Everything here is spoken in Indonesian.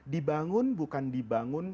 dibangun bukan dibangun